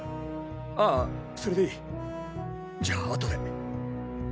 ああそれでいいじゃああとで。